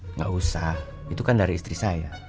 nggak usah itu kan dari istri saya